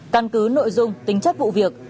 căn cứ nội dung tính chất vụ việc